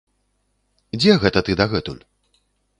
Дзе гэта ты дагэтуль?